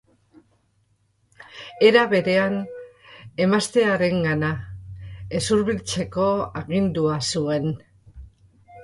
Era berean, emaztearengana ez hurbiltzeko agindua zuen.